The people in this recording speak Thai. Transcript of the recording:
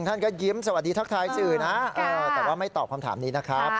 ท่านก็ยิ้มสวัสดีทักทายสื่อนะแต่ว่าไม่ตอบคำถามนี้นะครับ